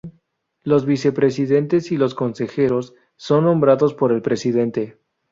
Los vicepresidentes y los consejeros son nombrados por el presidente.